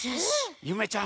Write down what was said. ゆめちゃん